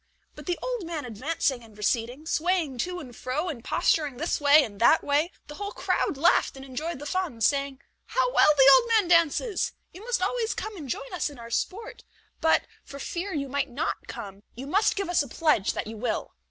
but the old man advancing and receding, swaying to and fro, and posturing this way and that way, the whole crowd laughed and enjoyed the fun, saying: "How well the old man dances! You must always come and join us in our sport; but, for fear you might not come, you must give us a pledge that you will."